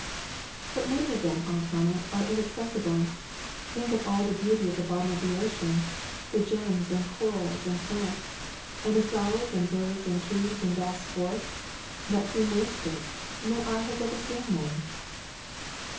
"But many of them, Aunt Hannah, are inac cessible. Think of all the beauty at the bottom of the ocean the gems and corals and plants; and the flowers and birds and trees in vast for 130 RECONCILIATIONS. ests, that seem wasted. No eye has ever seen them."